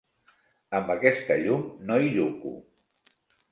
Amb aquesta llum no hi lluco.